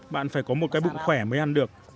bạn phải có một cái bụng khỏe mới ăn được